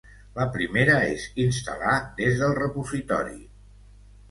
La primera és instal·lar des del repositori.